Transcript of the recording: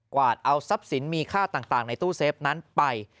วาดเอาทรัพย์สินมีค่าต่างในตู้เซฟนั้นไป